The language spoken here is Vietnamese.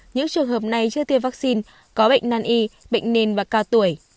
những trường hợp này chưa tiêm vaccine có bệnh năn y bệnh nền và ca tuổi